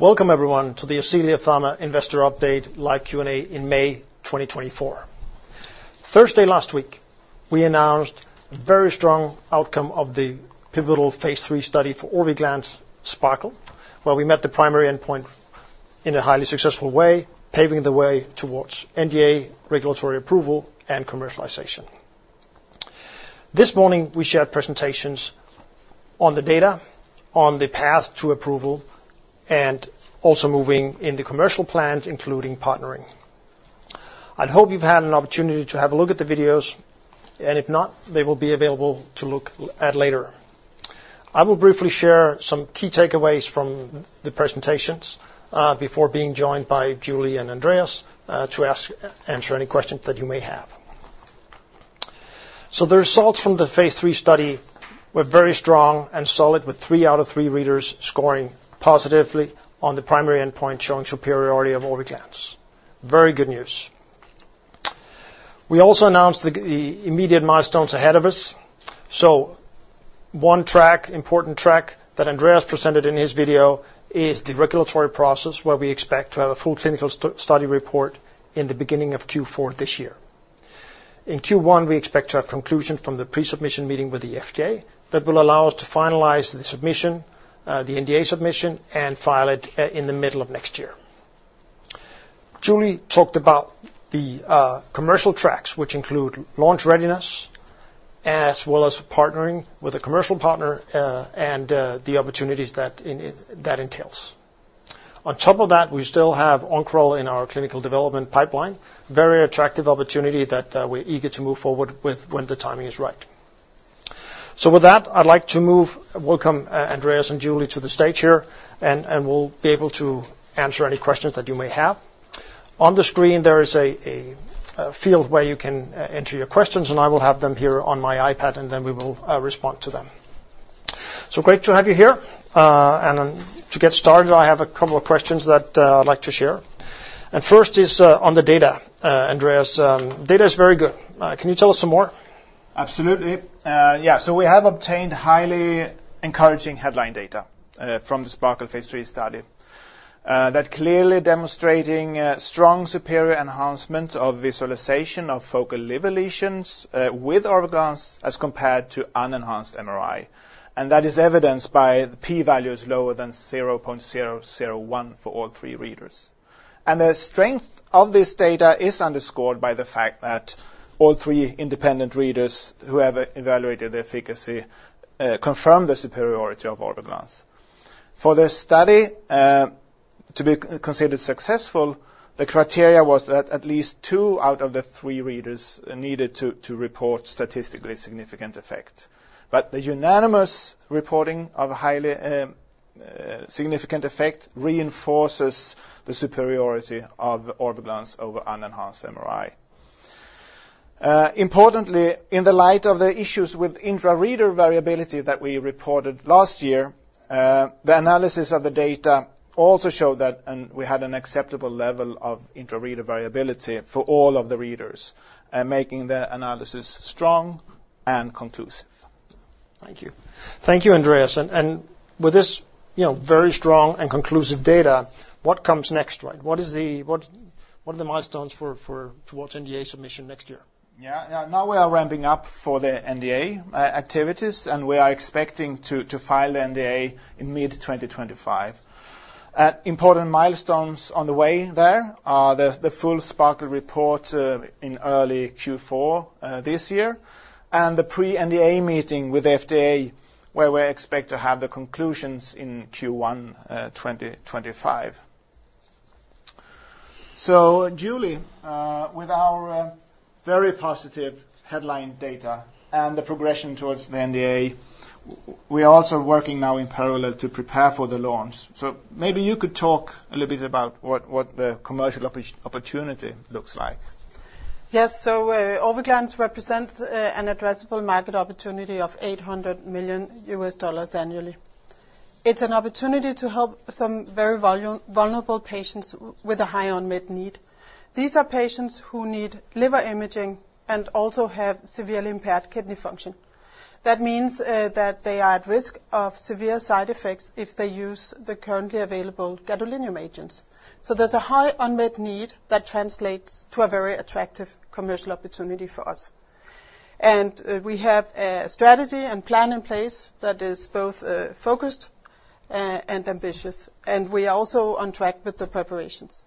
Welcome everyone to the Ascelia Pharma Investor Update live Q&A in May 2024. Thursday last week, we announced a very strong outcome of the pivotal phase III study for Orviglance, SPARKLE, where we met the primary endpoint in a highly successful way, paving the way towards NDA, regulatory approval, and commercialization. This morning, we shared presentations on the data, on the path to approval, and also moving in the commercial plans, including partnering. I'd hope you've had an opportunity to have a look at the videos, and if not, they will be available to look at later. I will briefly share some key takeaways from the presentations, before being joined by Julie and Andreas, to answer any questions that you may have. So the results from the phase III study were very strong and solid, with three out of three readers scoring positively on the primary endpoint, showing superiority of Orviglance. Very good news. We also announced the immediate milestones ahead of us. So one track, important track, that Andreas presented in his video is the regulatory process, where we expect to have a full clinical study report in the beginning of Q4 this year. In Q1, we expect to have conclusion from the pre-submission meeting with the FDA. That will allow us to finalize the submission, the NDA submission, and file it in the middle of next year. Julie talked about the commercial tracks, which include launch readiness, as well as partnering with a commercial partner, and the opportunities that that entails. On top of that, we still have Oncoral in our clinical development pipeline. Very attractive opportunity that we're eager to move forward with when the timing is right. So with that, I'd like to move; welcome, Andreas and Julie to the stage here, and we'll be able to answer any questions that you may have. On the screen, there is a field where you can enter your questions, and I will have them here on my iPad, and then we will respond to them. So great to have you here. And then to get started, I have a couple of questions that I'd like to share, and first is on the data. Andreas, data is very good. Can you tell us some more? Absolutely. Yeah, so we have obtained highly encouraging headline data from the SPARKLE phase III study. That clearly demonstrating strong superior enhancement of visualization of focal liver lesions with Orviglance as compared to unenhanced MRI, and that is evidenced by the P values lower than 0.001 for all three readers. And the strength of this data is underscored by the fact that all three independent readers who have evaluated the efficacy confirmed the superiority of Orviglance. For the study to be considered successful, the criteria was that at least two out of the three readers needed to report statistically significant effect. But the unanimous reporting of a highly significant effect reinforces the superiority of Orviglance over unenhanced MRI. Importantly, in the light of the issues with intra-reader variability that we reported last year, the analysis of the data also showed that, and we had an acceptable level of intra-reader variability for all of the readers, making the analysis strong and conclusive. Thank you. Thank you, Andreas. With this, you know, very strong and conclusive data, what comes next, right? What are the milestones for towards NDA submission next year? Yeah, now we are ramping up for the NDA activities, and we are expecting to file the NDA in mid-2025. Important milestones on the way there are the full SPARKLE report in early Q4 this year, and the pre-NDA meeting with FDA, where we expect to have the conclusions in Q1 2025. So, Julie, with our very positive headline data and the progression towards the NDA, we are also working now in parallel to prepare for the launch. So maybe you could talk a little bit about what the commercial opportunity looks like. Yes. So, Orviglance represents an addressable market opportunity of $800 million annually. It's an opportunity to help some very vulnerable patients with a high unmet need. These are patients who need liver imaging and also have severely impaired kidney function. That means that they are at risk of severe side effects if they use the currently available gadolinium agents. So there's a high unmet need that translates to a very attractive commercial opportunity for us. And we have a strategy and plan in place that is both focused and ambitious, and we are also on track with the preparations.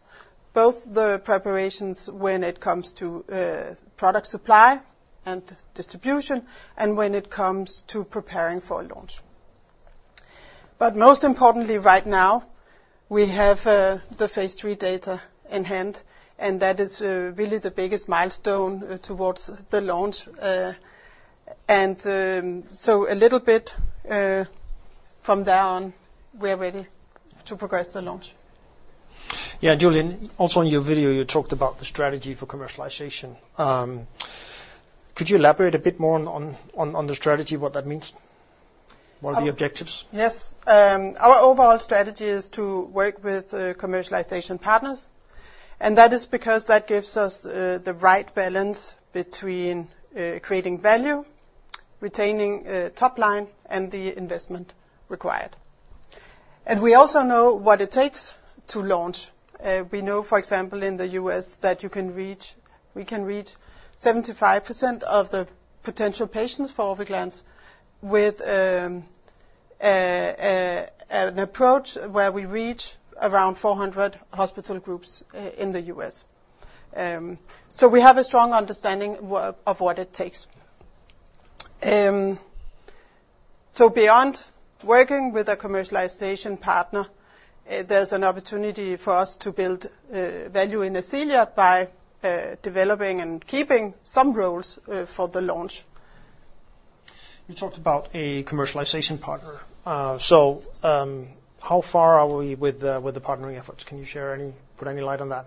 Both the preparations when it comes to product supply and distribution and when it comes to preparing for a launch. But most importantly, right now, we have the phase III data in hand, and that is really the biggest milestone towards the launch. So a little bit from there on, we are ready to progress the launch. Yeah, Julie, also in your video, you talked about the strategy for commercialization. Could you elaborate a bit more on the strategy, what that means? What are the objectives? Yes. Our overall strategy is to work with commercialization partners, and that is because that gives us the right balance between creating value-retaining top line and the investment required. We also know what it takes to launch. We know, for example, in the US, that we can reach 75% of the potential patients for Orviglance with an approach where we reach around 400 hospital groups in the US. We have a strong understanding of what it takes. So, beyond working with a commercialization partner, there's an opportunity for us to build value in Ascelia by developing and keeping some roles for the launch. You talked about a commercialization partner. So, how far are we with the partnering efforts? Can you shed any light on that?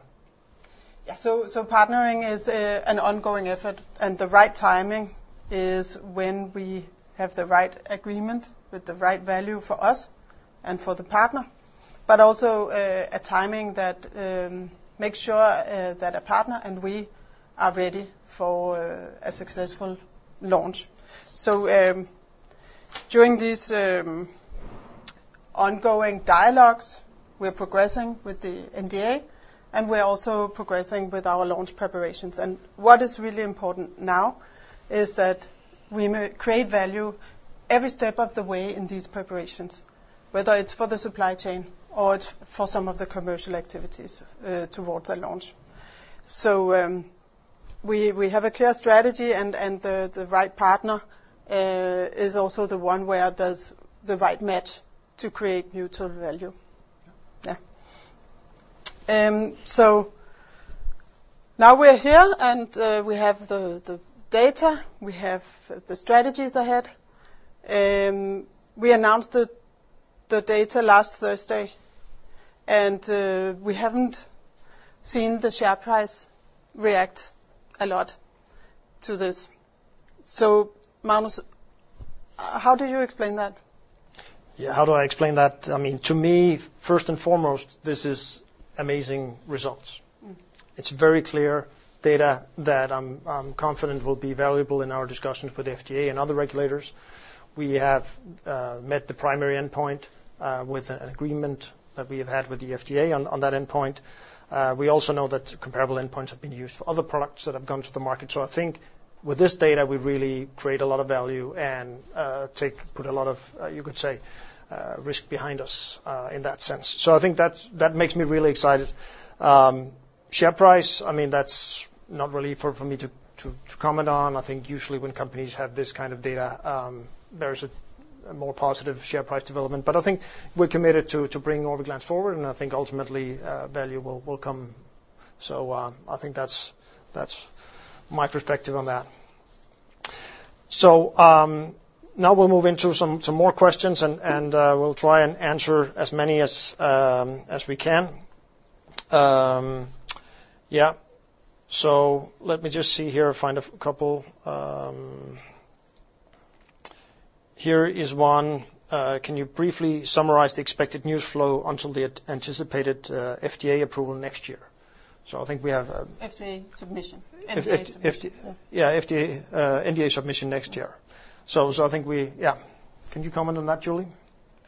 Yeah. So, partnering is an ongoing effort, and the right timing is when we have the right agreement with the right value for us and for the partner, but also a timing that makes sure that a partner and we are ready for a successful launch. So, during these ongoing dialogues, we're progressing with the NDA, and we're also progressing with our launch preparations. And what is really important now is that we may create value every step of the way in these preparations, whether it's for the supply chain or for some of the commercial activities towards our launch. So, we have a clear strategy, and the right partner is also the one where there's the right match to create mutual value. Yeah. So now we're here, and we have the data, we have the strategies ahead. We announced the data last Thursday, and we haven't seen the share price react a lot to this. So, Magnus, how do you explain that? Yeah, how do I explain that? I mean, to me, first and foremost, this is amazing results. Mm-hmm. It's very clear data that I'm confident will be valuable in our discussions with the FDA and other regulators. We have met the primary endpoint with an agreement that we have had with the FDA on that endpoint. We also know that comparable endpoints have been used for other products that have come to the market. So I think with this data, we really create a lot of value and put a lot of, you could say, risk behind us in that sense. So I think that's that makes me really excited. Share price, I mean, that's not really for me to comment on. I think usually, when companies have this kind of data, there's a more positive share price development. But I think we're committed to bring Orviglance forward, and I think ultimately value will come. So I think that's my perspective on that. So now we'll move into some more questions, and we'll try and answer as many as we can. Yeah. So let me just see here, find a couple. Here is one: Can you briefly summarize the expected news flow until the anticipated FDA approval next year? So I think we have- FDA submission. NDA submission. Yeah, FDA- NDA submission next year. So I think we; yeah. Can you comment on that, Julie?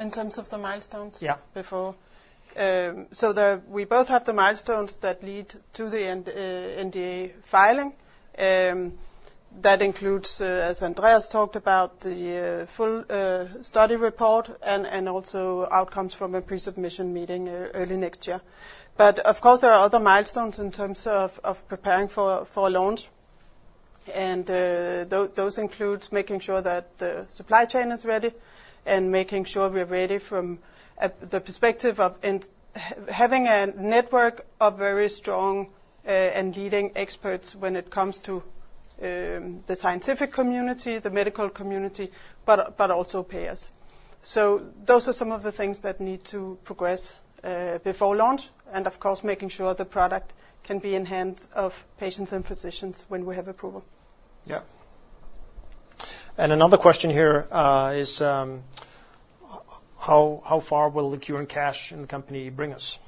In terms of the milestones... Yeah.... before? So there, we both have the milestones that lead to the NDA filing. That includes, as Andreas talked about, the full study report and also outcomes from a pre-submission meeting early next year. But of course, there are other milestones in terms of preparing for launch, and those includes making sure that the supply chain is ready and making sure we're ready from the perspective of having a network of very strong and leading experts when it comes to the scientific community, the medical community, but also payers. So those are some of the things that need to progress before launch, and of course, making sure the product can be in hands of patients and physicians when we have approval. Yeah. Another question here is how far will the current cash in the company bring us?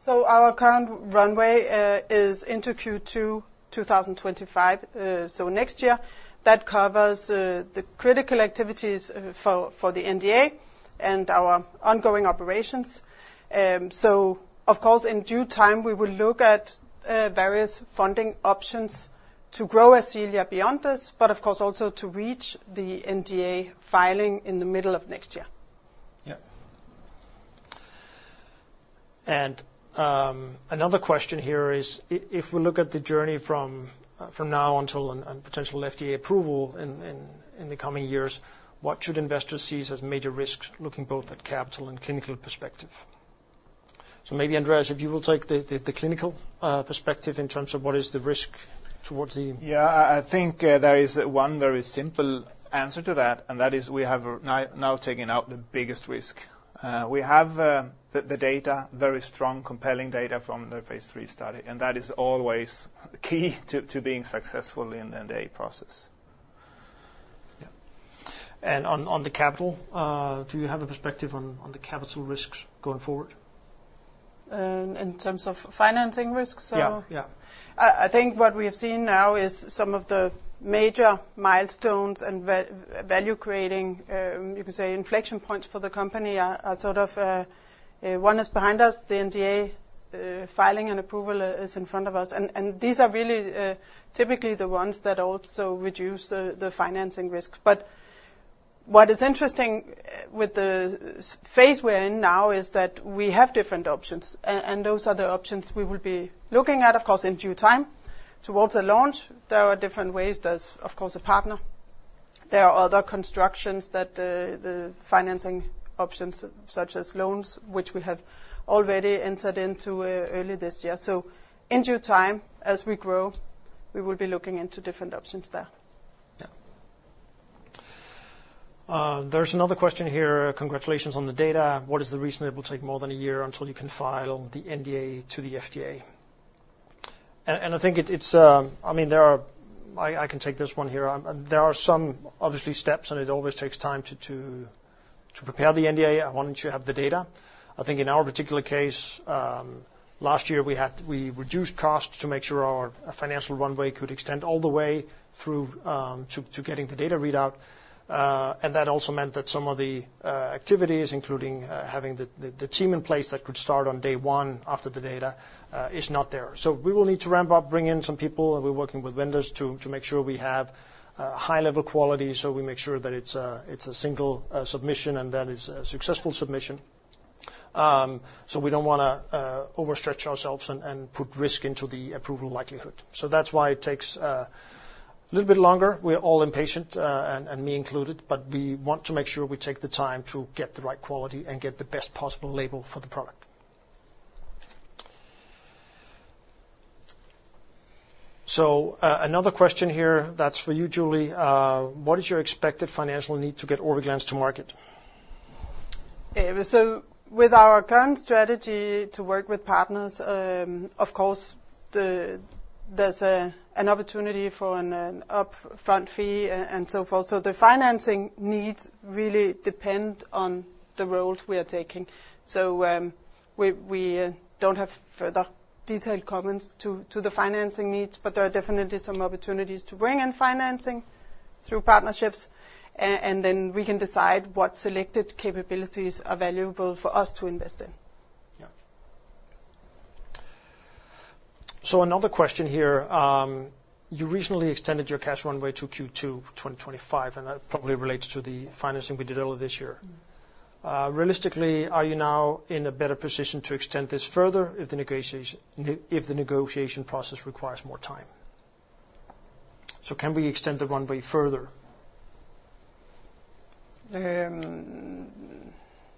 So our current runway is into Q2 2025, so next year. That covers the critical activities for, for the NDA and our ongoing operations. So, of course, in due time, we will look at various funding options to grow Ascelia beyond this, but of course, also to reach the NDA filing in the middle of next year. Yeah. And, another question here is: if we look at the journey from now until, and potential FDA approval in the coming years, what should investors see as major risks, looking both at capital and clinical perspective? So maybe, Andreas, if you will take the clinical perspective in terms of what is the risk towards the... Yeah, I think there is one very simple answer to that, and that is we have now taken out the biggest risk. We have the data, very strong, compelling data from the Phase III study, and that is always key to being successful in the NDA process. Yeah. On the capital, do you have a perspective on the capital risks going forward? In terms of financing risks? Yeah, yeah. I think what we have seen now is some of the major milestones and value-creating, you could say inflection points for the company are sort of one is behind us, the NDA filing and approval is in front of us. And these are really typically the ones that also reduce the financing risk. But what is interesting with the phase we're in now is that we have different options, and those are the options we will be looking at, of course, in due time. Towards the launch, there are different ways. There's, of course, a partner. There are other constructions that the financing options, such as loans, which we have already entered into early this year. So in due time, as we grow, we will be looking into different options there. Yeah. There's another question here: Congratulations on the data. What is the reason it will take more than a year until you can file the NDA to the FDA? And I think it's- I mean, I can take this one here. There are some, obviously, steps, and it always takes time to prepare the NDA and once you have the data. I think in our particular case, last year, we had reduced costs to make sure our financial runway could extend all the way through, to getting the data readout. And that also meant that some of the activities, including, having the team in place that could start on day one after the data, is not there. So we will need to ramp up, bring in some people, and we're working with vendors to make sure we have high-level quality, so we make sure that it's a single submission and that it's a successful submission. So we don't want to overstretch ourselves and put risk into the approval likelihood. So that's why it takes a little bit longer. We're all impatient, and me included, but we want to make sure we take the time to get the right quality and get the best possible label for the product. So another question here, that's for you, Julie. What is your expected financial need to get Orviglance to market? So with our current strategy to work with partners, of course, there's an opportunity for an upfront fee and so forth. So the financing needs really depend on the road we are taking. So, we don't have further detailed comments to the financing needs, but there are definitely some opportunities to bring in financing through partnerships, and then we can decide what selected capabilities are valuable for us to invest in. Yeah. So another question here. You recently extended your cash runway to Q2 2025, and that probably relates to the financing we did earlier this year. Realistically, are you now in a better position to extend this further if the negotiation process requires more time? So can we extend the runway further?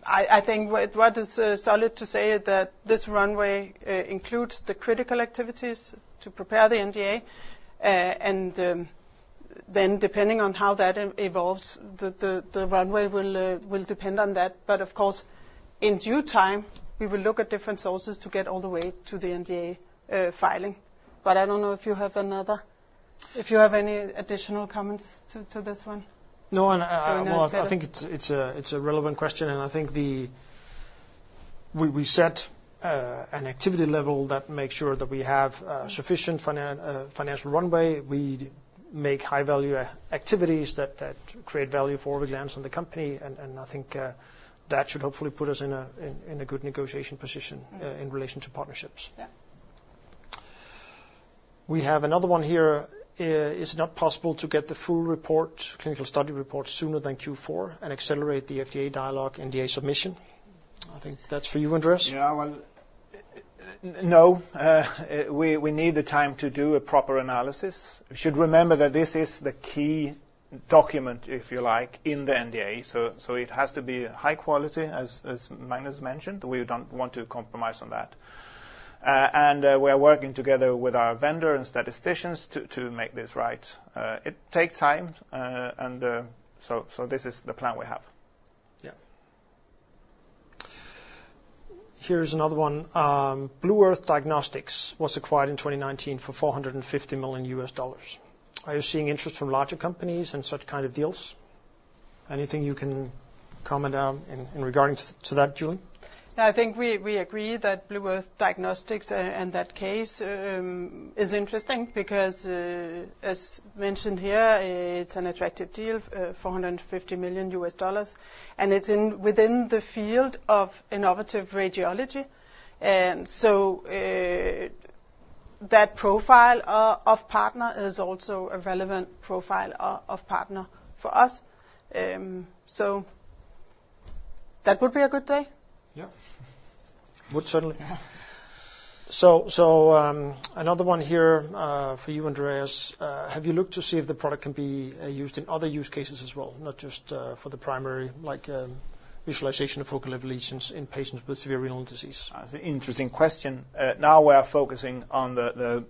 I think what is solid to say is that this runway includes the critical activities to prepare the NDA, and then depending on how that evolves, the runway will depend on that. But of course, in due time, we will look at different sources to get all the way to the NDA filing. But I don't know if you have any additional comments to this one? No, and I... Or not?... well, I think it's a relevant question, and I think we set an activity level that makes sure that we have sufficient financial runway. We make high-value activities that create value for Orviglance and the company, and I think that should hopefully put us in a good negotiation position... Mm-hmm.... in relation to partnerships. Yeah. We have another one here. Is it not possible to get the full report, clinical study report, sooner than Q4 and accelerate the FDA dialogue NDA submission? I think that's for you, Andreas. Yeah, well, no, we need the time to do a proper analysis. We should remember that this is the key document, if you like, in the NDA, so it has to be high quality, as Magnus mentioned. We don't want to compromise on that. And we are working together with our vendor and statisticians to make this right. It takes time, and so this is the plan we have. Yeah. Here's another one: Blue Earth Diagnostics was acquired in 2019 for $450 million. Are you seeing interest from larger companies in such kind of deals? Anything you can comment on in regarding to that, Julie? I think we agree that Blue Earth Diagnostics and that case is interesting because as mentioned here, it's an attractive deal, $450 million, and it's within the field of innovative radiology. So that profile of partner is also a relevant profile of partner for us. So that would be a good day. Yeah. Would certainly. Yeah. So, another one here for you, Andreas: Have you looked to see if the product can be used in other use cases as well, not just for the primary, like, visualization of focal liver lesions in patients with severe renal disease? That's an interesting question. Now we are focusing on the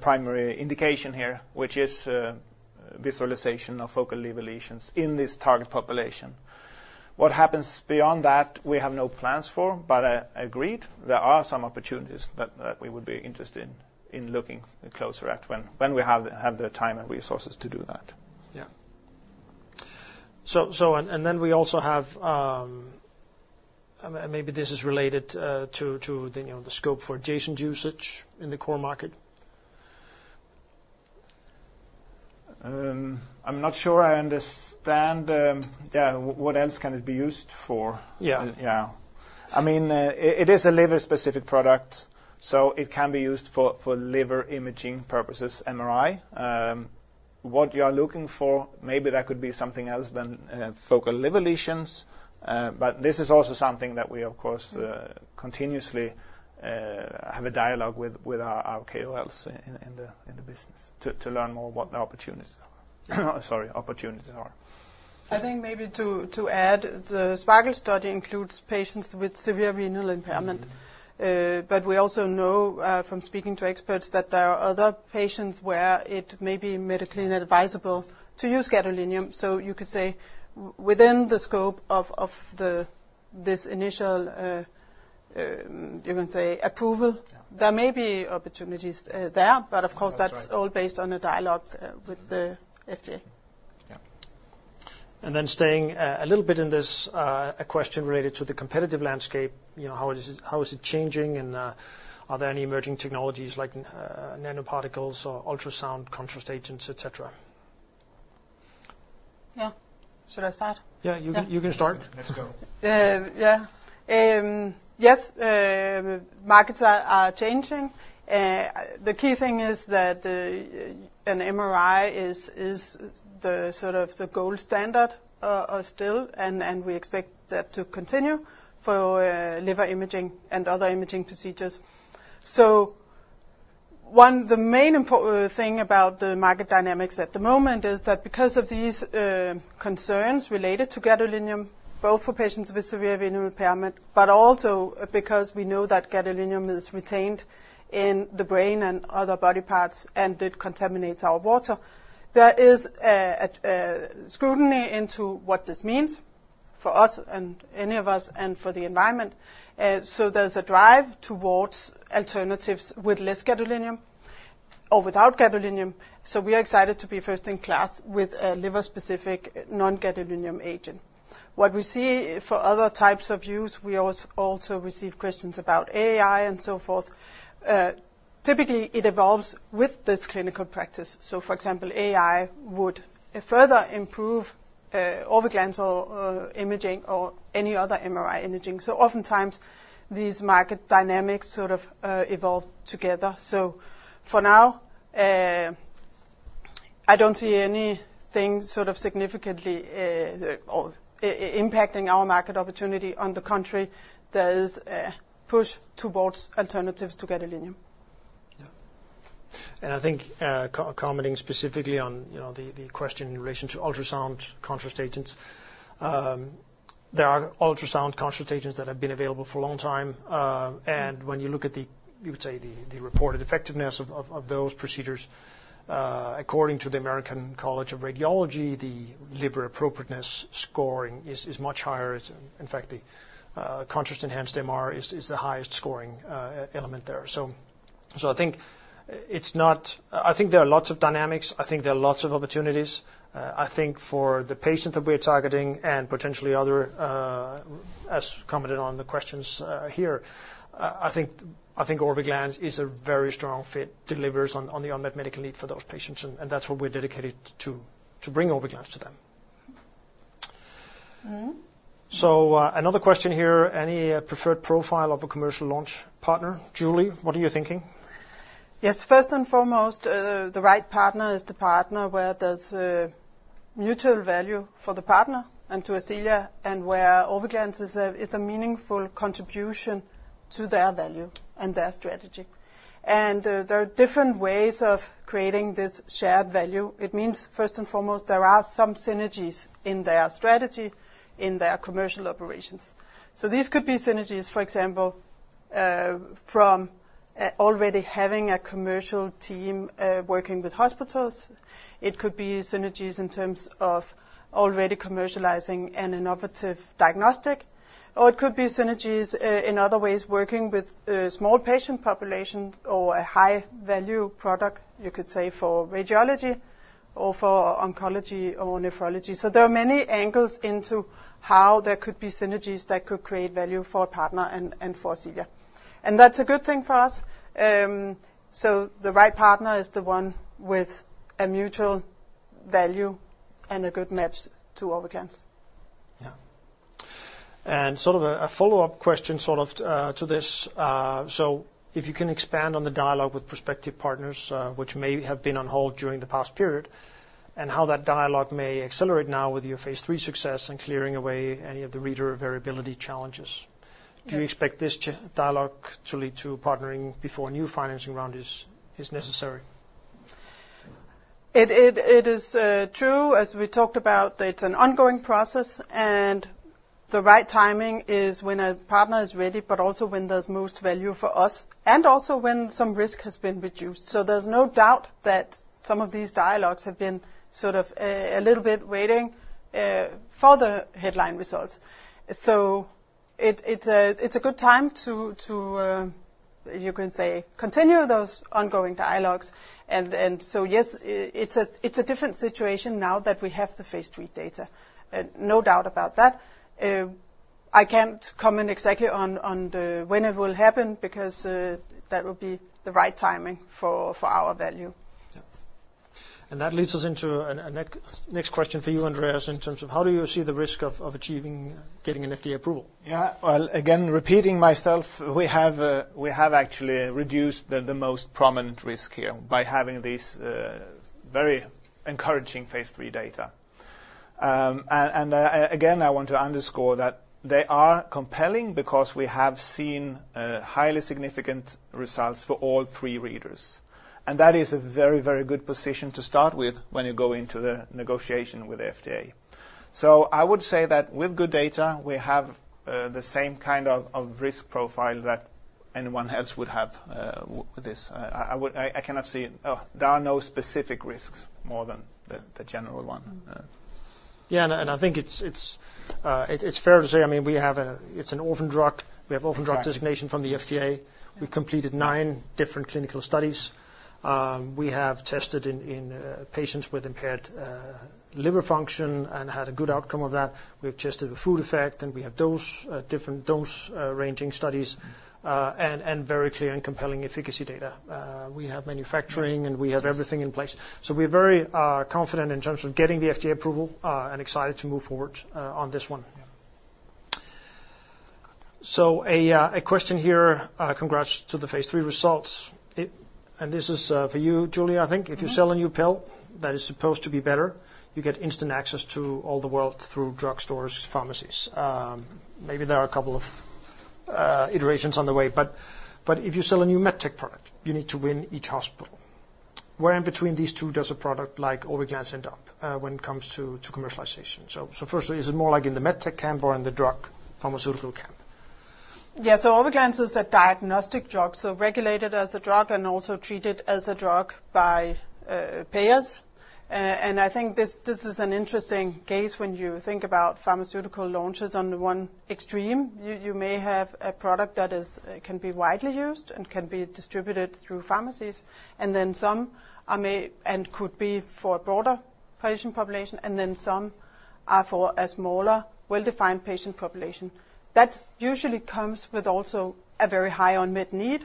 primary indication here, which is visualization of focal liver lesions in this target population. What happens beyond that, we have no plans for, but agreed, there are some opportunities that we would be interested in looking closer at when we have the time and resources to do that. Yeah. So, and then we also have, and maybe this is related to the, you know, the scope for adjacent usage in the core market? I'm not sure I understand, yeah, what else can it be used for? Yeah. Yeah. I mean, it is a liver-specific product, so it can be used for liver imaging purposes, MRI. What you are looking for, maybe that could be something else than focal liver lesions. But this is also something that we, of course, continuously have a dialogue with our KOLs in the business, to learn more what the opportunities are. Sorry, opportunities are. I think maybe to add, the SPARKLE study includes patients with severe renal impairment. But we also know, from speaking to experts, that there are other patients where it may be medically advisable to use gadolinium. So you could say within the scope of this initial, you can say approval... Yeah.... there may be opportunities, there. That's right. But of course, that's all based on a dialogue with the FDA. Yeah. And then staying a little bit in this, a question related to the competitive landscape. You know, how is it, how is it changing, and are there any emerging technologies like nanoparticles or ultrasound contrast agents, et cetera? Yeah. Should I start? Yeah, you can- Yeah. You can start. Let's go. Yeah. Yes, markets are changing. The key thing is that an MRI is the sort of the gold standard still, and we expect that to continue for liver imaging and other imaging procedures. So the main important thing about the market dynamics at the moment is that because of these concerns related to gadolinium, both for patients with severe renal impairment, but also because we know that gadolinium is retained in the brain and other body parts, and it contaminates our water. There is a scrutiny into what this means for us and any of us, and for the environment. So there's a drive towards alternatives with less gadolinium or without gadolinium. So we are excited to be first-in-class with a liver-specific non-gadolinium agent. What we see for other types of use, we also receive questions about AI and so forth. Typically, it evolves with this clinical practice. So, for example, AI would further improve Orviglance or imaging or any other MRI imaging. So oftentimes, these market dynamics sort of evolve together. So for now, I don't see anything sort of significantly impacting our market opportunity. On the contrary, there is a push towards alternatives to gadolinium. Yeah. And I think, co-commenting specifically on, you know, the question in relation to ultrasound contrast agents. There are ultrasound contrast agents that have been available for a long time. And when you look at the, you would say, the reported effectiveness of those procedures, according to the American College of Radiology, the liver appropriateness scoring is much higher. In fact, the contrast-enhanced MR is the highest scoring element there. So, I think it's not-- I think there are lots of dynamics. I think there are lots of opportunities. I think for the patient that we're targeting and potentially other, as commented on the questions, I think Orviglance is a very strong fit, delivers on the unmet medical need for those patients, and that's what we're dedicated to bring Orviglance to them. Mm-hmm. So, another question here: Any preferred profile of a commercial launch partner? Julie, what are you thinking? Yes. First and foremost, the right partner is the partner where there's a mutual value for the partner and to Ascelia, and where Orviglance is a meaningful contribution to their value and their strategy. And, there are different ways of creating this shared value. It means, first and foremost, there are some synergies in their strategy, in their commercial operations. So these could be synergies, for example, from already having a commercial team working with hospitals. It could be synergies in terms of already commercializing an innovative diagnostic, or it could be synergies in other ways, working with small patient populations or a high-value product, you could say, for radiology or for oncology or nephrology. So there are many angles into how there could be synergies that could create value for a partner and for Ascelia. That's a good thing for us. The right partner is the one with a mutual value and a good match to Orviglance. Yeah. Sort of a follow-up question, sort of, to this, so if you can expand on the dialogue with prospective partners, which may have been on hold during the past period, and how that dialogue may accelerate now with your phase III success and clearing away any of the reader variability challenges. Do you expect this dialogue to lead to partnering before a new financing round is necessary? It is true, as we talked about, that it's an ongoing process, and the right timing is when a partner is ready, but also when there's most value for us, and also when some risk has been reduced. So there's no doubt that some of these dialogues have been sort of a little bit waiting for the headline results. So it's a good time to, you can say, continue those ongoing dialogues. And so, yes, it's a different situation now that we have the phase III data, and no doubt about that. I can't comment exactly on the when it will happen, because that would be the right timing for our value. Yeah. That leads us into our next question for you, Andreas, in terms of how do you see the risk of getting an FDA approval? Yeah. Well, again, repeating myself, we have actually reduced the most prominent risk here by having these very encouraging phase III data. And, again, I want to underscore that they are compelling because we have seen highly significant results for all three readers. And that is a very, very good position to start with when you go into the negotiation with the FDA. So I would say that with good data, we have the same kind of risk profile that anyone else would have with this. I would- I cannot see. There are no specific risks more than the general one. Yeah, I think it's fair to say, I mean, we have a; It's an orphan drug. We have orphan drug... Right.... designation from the FDA. We completed nine different clinical studies. We have tested in patients with impaired liver function and had a good outcome of that. We have tested the food effect, and we have different dose ranging studies, and very clear and compelling efficacy data. We have manufacturing, and we have everything in place. We're very confident in terms of getting the FDA approval and excited to move forward on this one. Yeah. A question here; congrats to the phase III results. And this is for you, Julie, I think. Mm-hmm. If you sell a new pill that is supposed to be better, you get instant access to all the world through drugstores, pharmacies. Maybe there are a couple of iterations on the way, but if you sell a new med tech product, you need to win each hospital. Where in between these two does a product like Orviglance end up when it comes to commercialization? So firstly, is it more like in the med tech camp or in the drug pharmaceutical camp? Yeah, so Orviglance is a diagnostic drug, so regulated as a drug and also treated as a drug by payers. And I think this, this is an interesting case when you think about pharmaceutical launches on the one extreme. You, you may have a product that is-- can be widely used and can be distributed through pharmacies, and then some are may and could be for a broader patient population, and then some are for a smaller, well-defined patient population. That usually comes with also a very high unmet need,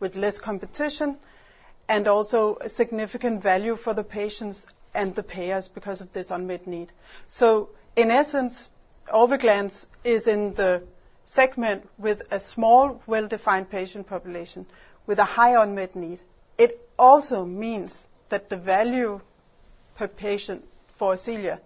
with less competition, and also a significant value for the patients and the payers because of this unmet need. So in essence, Orviglance is in the segment with a small, well-defined patient population with a high unmet need. It also means that the value per patient for Ascelia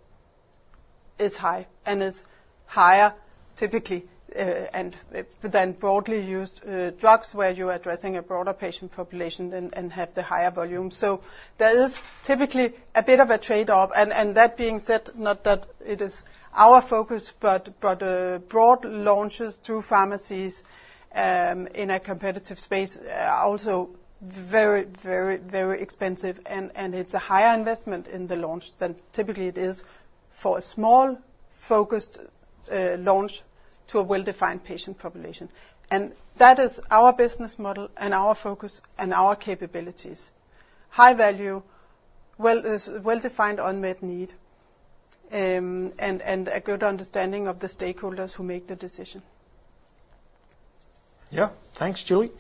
is high and is higher typically than broadly used drugs, where you're addressing a broader patient population and have the higher volume. So there is typically a bit of a trade-off, and that being said, not that it is our focus, but broad launches through pharmacies in a competitive space are also very, very, very expensive, and it's a higher investment in the launch than typically it is for a small, focused launch to a well-defined patient population. And that is our business model and our focus and our capabilities. High value, well-defined, unmet need, and a good understanding of the stakeholders who make the decision. Yeah. Thanks, Julie.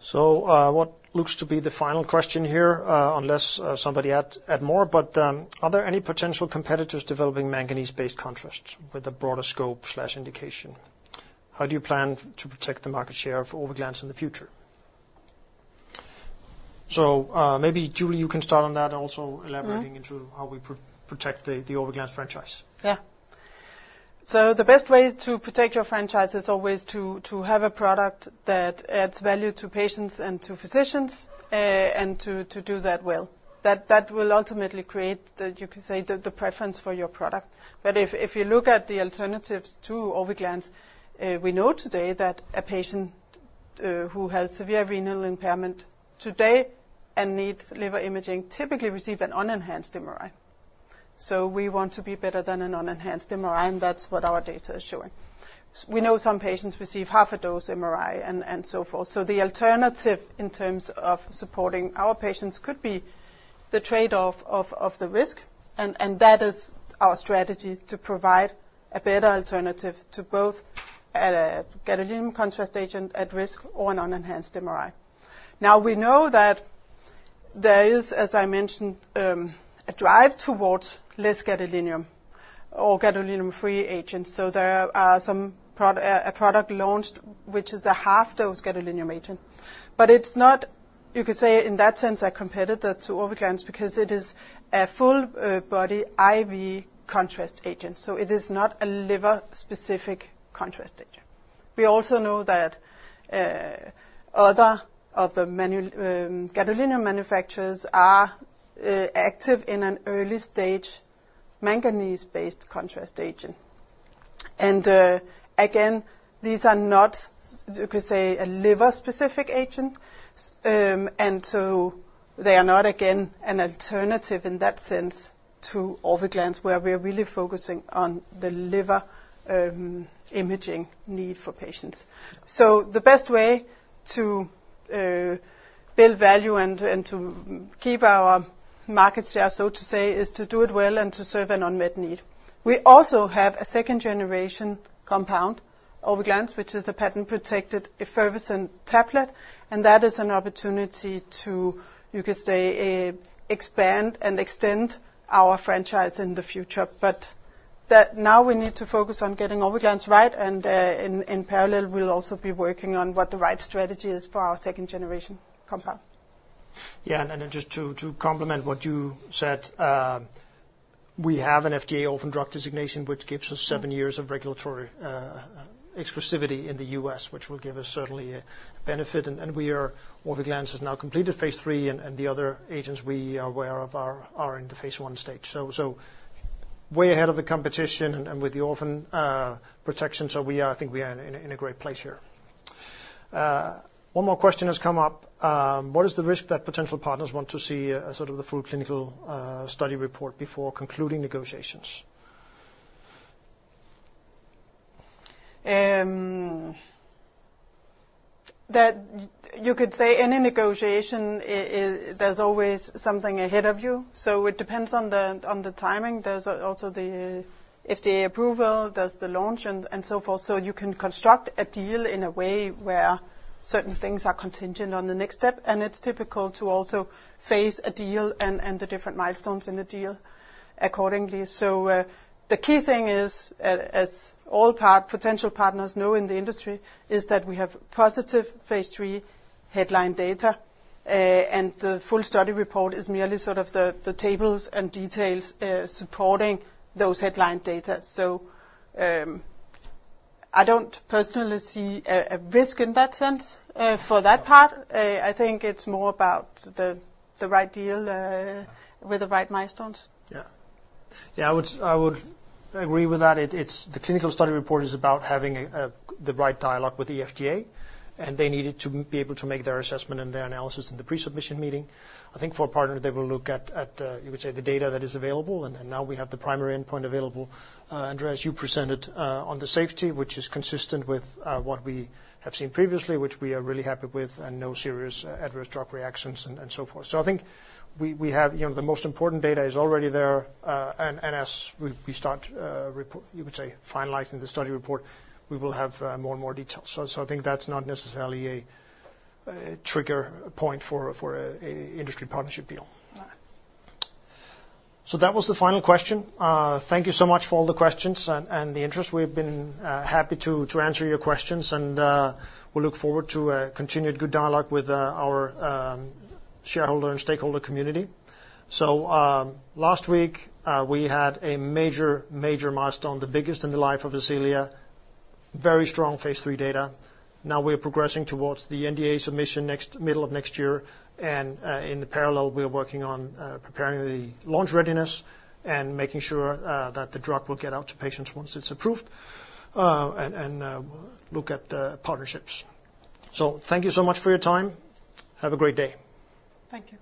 So, what looks to be the final question here, unless somebody add more, but, are there any potential competitors developing manganese-based contrasts with a broader scope/indication? How do you plan to protect the market share for Orviglance in the future? So, maybe, Julie, you can start on that, also elaborating... Mm-hmm.... into how we protect the Orviglance franchise. Yeah. So the best way to protect your franchise is always to have a product that adds value to patients and to physicians, and to do that well. That will ultimately create the, you can say, the preference for your product. But if you look at the alternatives to Orviglance, we know today that a patient who has severe renal impairment today and needs liver imaging typically receive an unenhanced MRI. So we want to be better than an unenhanced MRI, and that's what our data is showing. We know some patients receive half a dose MRI and so forth. So the alternative in terms of supporting our patients could be the trade-off of the risk, and that is our strategy to provide a better alternative to both a gadolinium contrast agent at risk or an unenhanced MRI. Now, we know that there is, as I mentioned, a drive towards less gadolinium or gadolinium-free agents. So there are some, a product launched, which is a half-dose gadolinium agent, but it's not, you could say, in that sense, a competitor to Orviglance because it is a full body IV contrast agent, so it is not a liver-specific contrast agent. We also know that other of the gadolinium manufacturers are active in an early-stage manganese-based contrast agent. And again, these are not, you could say, a liver-specific agent. They are not, again, an alternative in that sense to Orviglance, where we are really focusing on the liver imaging need for patients. So the best way to build value and to keep our market share, so to say, is to do it well and to serve an unmet need. We also have a second-generation compound, Orviglance, which is a patent-protected effervescent tablet, and that is an opportunity to, you could say, expand and extend our franchise in the future. But that now we need to focus on getting Orviglance right, and in parallel, we'll also be working on what the right strategy is for our second-generation compound. Yeah, and then just to complement what you said, we have an FDA orphan drug designation, which gives us 7 years of regulatory exclusivity in the U.S., which will give us certainly a benefit. And Orviglance has now completed phase III, and the other agents we are aware of are in the phase I stage. So way ahead of the competition and with the orphan protection, so we are in a great place here. One more question has come up; what is the risk that potential partners want to see sort of the full clinical study report before concluding negotiations? You could say any negotiation is, there's always something ahead of you, so it depends on the, on the timing. There's also the FDA approval, there's the launch, and, and so forth. So you can construct a deal in a way where certain things are contingent on the next step, and it's typical to also phase a deal and, and the different milestones in the deal accordingly. So, the key thing is, as all potential partners know in the industry, is that we have positive phase III headline data, and the full study report is merely sort of the, the tables and details, supporting those headline data. So, I don't personally see a, a risk in that sense, for that part. I think it's more about the right deal with the right milestones. Yeah. Yeah, I would agree with that. It's the clinical study report is about having the right dialogue with the FDA, and they needed to be able to make their assessment and their analysis in the pre-submission meeting. I think for a partner, they will look at, you would say, the data that is available, and now we have the primary endpoint available. Andreas, you presented on the safety, which is consistent with what we have seen previously, which we are really happy with, and no serious adverse drug reactions and so forth. So I think we have, you know, the most important data is already there, and as we start, you would say, finalizing the study report, we will have more and more details. So, I think that's not necessarily a trigger point for an industry partnership deal. Right. So that was the final question. Thank you so much for all the questions and, and the interest. We've been happy to, to answer your questions, and we look forward to a continued good dialogue with our shareholder and stakeholder community. So last week we had a major, major milestone, the biggest in the life of Ascelia. Very strong phase III data. Now we're progressing towards the NDA submission next, middle of next year, and in parallel, we're working on preparing the launch readiness and making sure that the drug will get out to patients once it's approved, and, and look at the partnerships. So thank you so much for your time. Have a great day. Thank you.